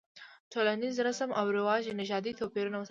ټولنیز رسم او رواج نژادي توپیرونه وساتل.